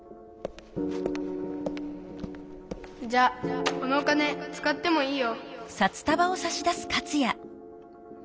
じゃあこのお金つかってもいいよ。